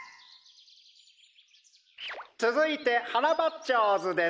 つづいてハナバッチョーズです。